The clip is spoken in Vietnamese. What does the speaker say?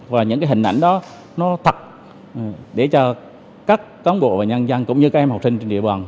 và những cái hình ảnh đó nó thật để cho các cán bộ và nhân dân cũng như các em học sinh trên địa bàn